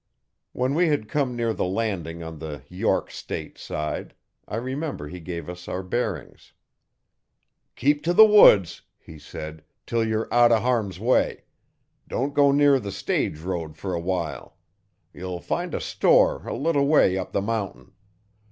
When we had come near the landing on the 'York State' side, I remember he gave us our bearings. 'Keep t' the woods,' he said, 'till you're out o' harm's way. Don't go near the stage road fer a while. Ye'll find a store a little way up the mountain.